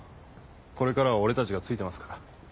これからは俺たちがついてますから。